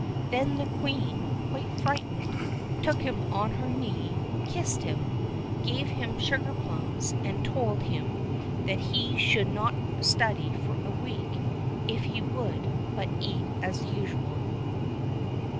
Then the Queen, quite frightened, took him on her knee, kissed him, gave him sugar plums, and told him that he should not study for a week if he would but eat as usual.